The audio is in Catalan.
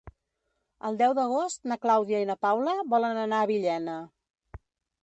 El deu d'agost na Clàudia i na Paula volen anar a Villena.